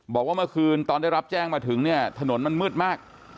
บอกว่าเมื่อคืนตอนได้รับแจ้งมาถึงเนี่ยถนนมันมืดมาก